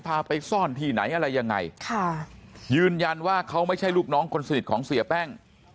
พาไปซ่อนที่ไหนอะไรยังไงค่ะยืนยันว่าเขาไม่ใช่ลูกน้องคนสนิทของเสียแป้ง